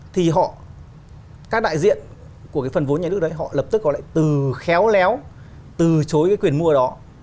thì họ các đại diện của cái phần vốn nhà nước đấy họ lập tức họ lại từ khéo léo từ chối cái quyền mua đó